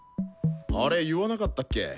あれ言わなかったっけ？